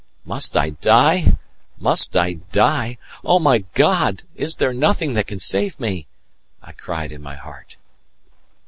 "Must I die! must I die! Oh, my God, is there nothing that can save me?" I cried in my heart.